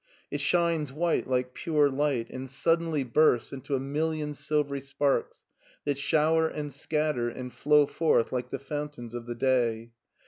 It shines white like pure light and suddenly bursts into a million sil very sparks that shower and scatter and flow forth like the fountains of the day.